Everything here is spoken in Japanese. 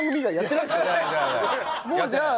もうじゃあ。